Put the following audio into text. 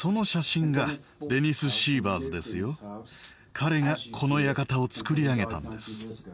彼がこの館を作り上げたんです。